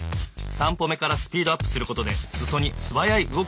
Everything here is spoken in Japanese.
３歩目からスピードアップすることで裾に素早い動きが出ました。